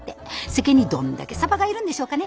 世間にどんだけサバがいるんでしょうかね？